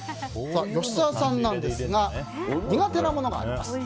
吉沢さんですが苦手なものがあります。